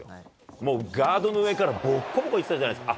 もうガードの上から、ぼっこぼっこいってたじゃないですか。